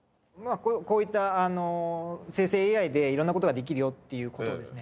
こういった生成ＡＩでいろんな事ができるよっていう事をですね